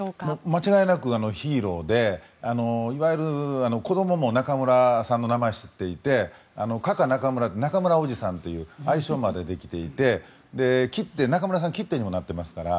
間違いなくヒーローでいわゆる子どもも中村さんの名前を知っていてカカ中村中村おじさんという愛称までできていて切手にもなってますから。